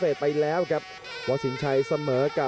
สายวัดระยะเลยครับขยับจะเติบด้วยแข่งขวา